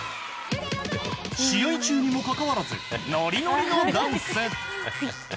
試合中にもかかわらずノリノリのダンス。